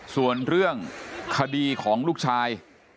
ส่วนเรื่องคดีของลูกชาย